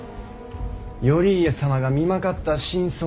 頼家様が身まかった真相